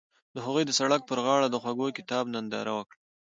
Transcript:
هغوی د سړک پر غاړه د خوږ کتاب ننداره وکړه.